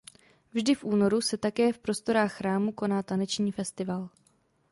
Vždy v únoru se také v prostorách chrámu koná taneční festival.